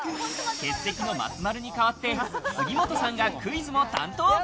欠席の松丸に代わって、杉本さんがクイズも担当。